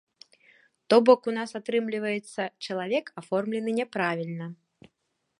То бок у нас, атрымліваецца, чалавек аформлены няправільна.